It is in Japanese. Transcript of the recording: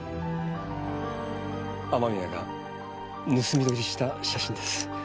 雨宮が盗み撮りした写真です。